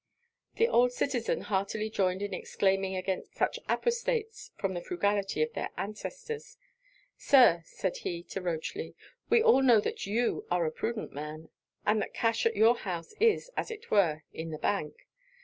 The old citizen heartily joined in exclaiming against such apostates from the frugality of their ancestors. 'Sir,' said he to Rochely, 'we all know that you are a prudent man; and that cash at your house is, as it were, in the Bank.